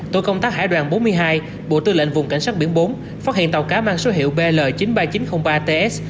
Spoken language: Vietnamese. tổ công tác hải đoàn bốn mươi hai bộ tư lệnh vùng cảnh sát biển bốn phát hiện tàu cá mang số hiệu bl chín mươi ba nghìn chín trăm linh ba ts